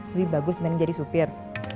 lebih bagus main jadi supir